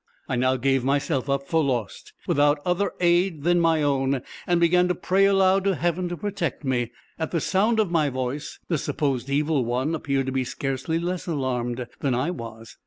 I now gave myself up for lost, without other aid than my own, and began to pray aloud to heaven to protect me. At the sound of my voice, the supposed evil one appeared to be scarcely less alarmed than I was.